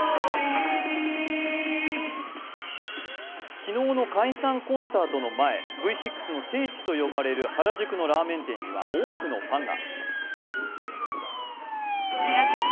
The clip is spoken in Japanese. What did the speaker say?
昨日の解散コンサートの前、Ｖ６の聖地と呼ばれる原宿のラーメン店には多くのファンが。